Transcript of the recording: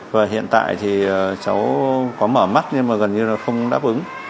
và hiện tại thì cháu có mở mắt nhưng mà gần như là không đáp ứng